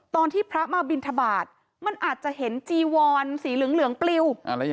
ตอนที่พระมาบินทบาทมันอาจจะเห็นจีวอนสีเหลืองปลิว